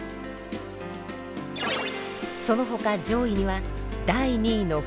そのほか上位には第２位の「風力発電」